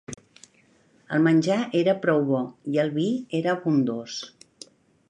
El menjar era prou bo, i el vi era abundós.